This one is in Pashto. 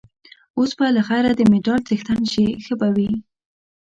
اوس به له خیره د مډال څښتن شې، ښه به وي.